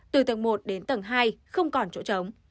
từ tầng một đến tầng hai không còn chỗ trống